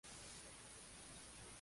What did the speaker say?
Estoy trabajando con Kanye.